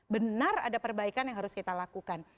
benar ada perbaikan yang harus kita lakukan